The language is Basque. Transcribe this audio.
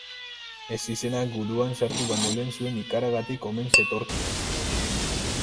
Ezizena guduan sartu baino lehen zuen ikaragatik omen zetorkion.